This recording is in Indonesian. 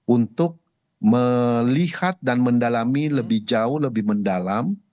untuk melihat dan mendalami lebih jauh lebih mendalam